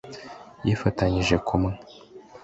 yifatanyije kumwe. '